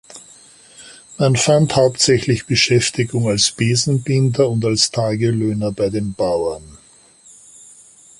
Man fand hauptsächlich Beschäftigung als Besenbinder und als Tagelöhner bei den Bauern.